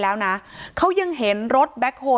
ที่มีข่าวเรื่องน้องหายตัว